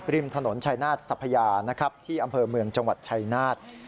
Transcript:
ริมถนนชายนาฏสัพยานะครับที่อำเภอเมืองจังหวัดชายนาฏ